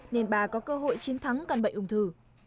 nên bà có cơ hội chiến thắng căn bệnh ung thư